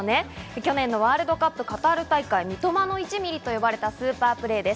去年ワールドカップカタール大会、「三笘の１ミリ」と呼ばれたスーパープレーです。